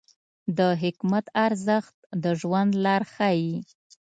د حکمت ارزښت د ژوند لار ښیي.